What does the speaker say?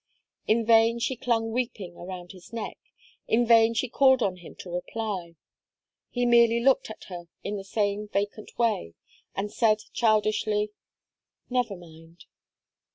In vain she clung weeping around his neck, in vain she called on him to reply. He merely looked at her in the same vacant way, and said childishly, "Never mind."